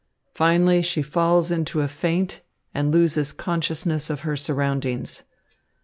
Finally, she falls into a faint and loses consciousness of her surroundings.